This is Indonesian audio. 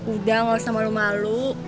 udah gak usah malu malu